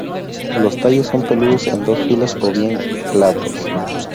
Los tallos son peludos en dos filas o bien glabros.